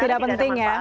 tidak penting ya